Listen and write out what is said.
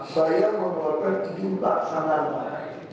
saya mengeluarkan isi pelaksanaan